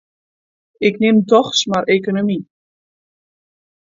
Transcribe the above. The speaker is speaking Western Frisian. Ik nim dochs mar ekonomy.